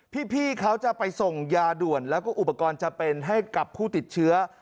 พี่เขาจะไปส่งยาด่วนแล้วก็อุปกรณ์จำเป็นให้กับผู้ติดเชื้อ